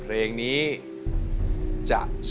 ขอบคุณครับ